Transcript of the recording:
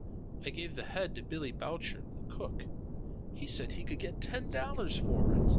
I gave the head to Billy Boucher, the cook. He said he could get ten dollars for it.